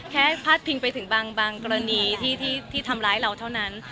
พาดพิงไปถึงบางกรณีที่ทำร้ายเราเท่านั้น